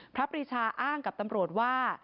ปรีชาอ้างกับตำรวจว่า